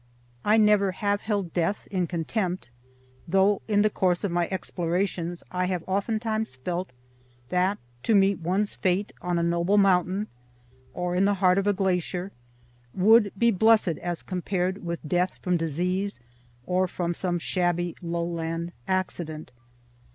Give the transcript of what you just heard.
I never have held death in contempt, though in the course of my explorations I have oftentimes felt that to meet one's fate on a noble mountain, or in the heart of a glacier, would be blessed as compared with death from disease, or from some shabby lowland accident.